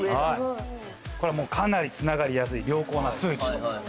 これはもうかなりつながりやすい良好な数値。